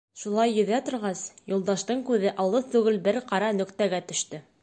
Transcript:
Шулай йөҙә торғас, Юлдаштың күҙе алыҫ түгел бер ҡара нөктәгә төштө.